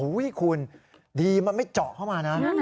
คุณดีมันไม่เจาะเข้ามานะ